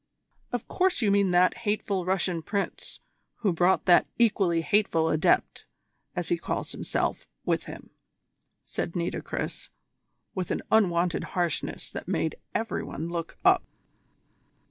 "Of course you mean that hateful Russian Prince who brought that equally hateful Adept, as he calls himself, with him," said Nitocris, with an unwonted harshness that made every one look up.